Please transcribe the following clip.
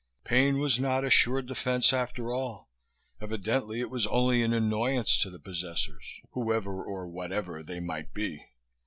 Pain was not a sure defense after all. Evidently it was only an annoyance to the possessors ... whoever, or whatever, they might be.